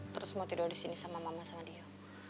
terus mau tidur disini sama mama sama tio